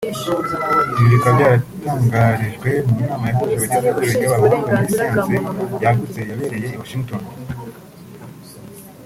Ibi bikaba byaratangarijwe mu nama yahuje abagize ihuriro ry’abahanga muri siyansi yagutse yabereye i Washington